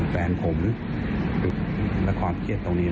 แฟนผมฝึกและความเครียดตรงนี้